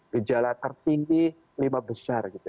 gejala tertinggi lima besar